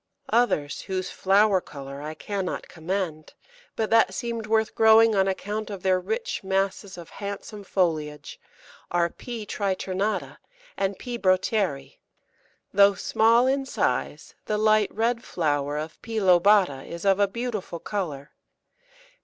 Others whose flower colour I cannot commend, but that seemed worth growing on account of their rich masses of handsome foliage, are P. triternata and P. Broteri. Though small in size, the light red flower of P. lobata is of a beautiful colour.